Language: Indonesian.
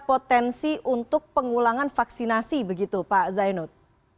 potensi untuk pengulangan vaksinasi begitu pak zainud